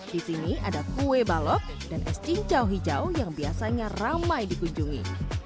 di sini ada kue balok dan es cincau hijau yang biasanya ramai dikunjungi